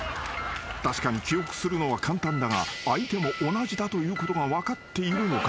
［確かに記憶するのは簡単だが相手も同じだということが分かっているのか？］